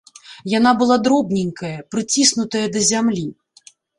Яна была дробненькая, прыціснутая да зямлі.